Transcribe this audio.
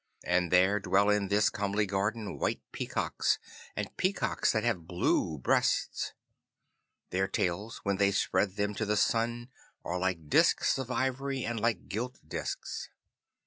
And there dwell in this comely garden white peacocks and peacocks that have blue breasts. Their tails when they spread them to the sun are like disks of ivory and like gilt disks.